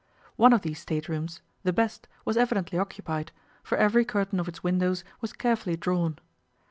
One of these state rooms, the best, was evidently occupied, for every curtain of its windows was carefully drawn.